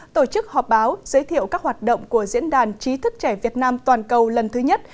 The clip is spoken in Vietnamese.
tổ chức họp báo giới thiệu các hoạt động của diễn đàn chí thức trẻ việt nam toàn cầu lần thứ nhất